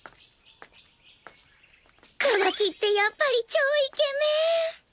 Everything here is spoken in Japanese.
カワキってやっぱり超イケメン！